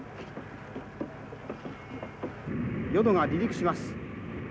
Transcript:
「よどが離陸します」。